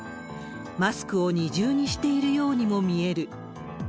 マスクを二重にしているようにも見える。